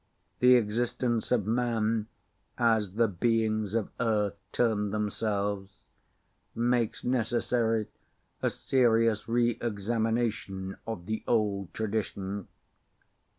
The existence of man, as the beings of Earth term themselves, makes necessary a serious re examination of the old tradition.